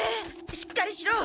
しっかりしろ！